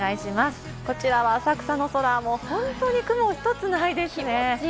こちらは浅草の空、本当に雲ひとつないですね。